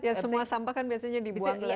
ya semua sampah kan biasanya dibuang ke satu